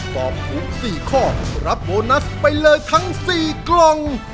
ตอบถูก๔ข้อรับโบนัสไปเลยทั้ง๔กล่อง